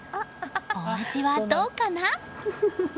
お味はどうかな？